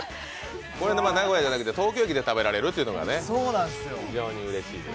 名古屋じゃなくて東京駅で食べられるというのが非常にうれしいです。